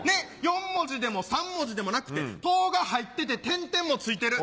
４文字でも３文字でもなくて「ト」が入ってて点々もついてる。